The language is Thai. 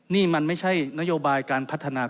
นี่มันไม่ใช่นโยบายการพัฒนา